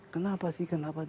kenapa sih kenapa